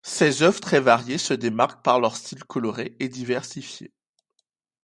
Ses œuvres très variées se démarquent par leur style coloré et diversifié.